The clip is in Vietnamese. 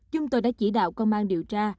chúng tôi đã chỉ đạo công an điều tra